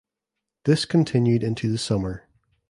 This continued into the summer.